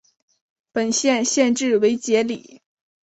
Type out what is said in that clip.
本县县治为杰里。